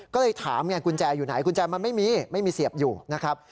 ก็เลยถามไงกุญแจอยู่ไหนกุญแจมันไม่มีไม่มีเสียบอยู่นะครับ